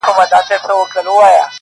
سیاه پوسي ده، ورته ولاړ یم~